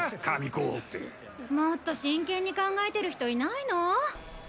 神候補ってもっと真剣に考えてる人いないの？